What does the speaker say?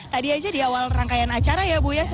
tadi aja di awal rangkaian acara ya bu ya